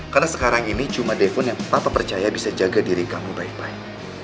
karena sekarang ini cuma devon yang papa percaya bisa jaga diri kamu baik baik